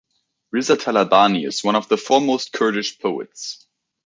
Riza Talabani is one of the foremost Kurdish poets.